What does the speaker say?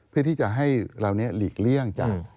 มาให้เรานี้หลีกเลี่ยงจาก